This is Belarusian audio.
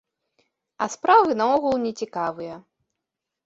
А справы наогул нецікавыя.